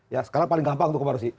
ya sekarang paling gampang untuk korupsi